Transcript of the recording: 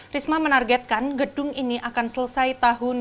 risma menargetkan gedung ini akan selesai tahun dua ribu dua puluh